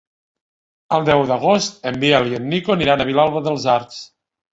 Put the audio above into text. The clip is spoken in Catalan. El deu d'agost en Biel i en Nico aniran a Vilalba dels Arcs.